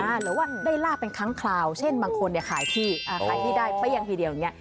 หรือว่าได้ราบเป็นครั้งคราวเช่นบางคนขายที่ได้ไปอย่างทีเดียวอย่างนี้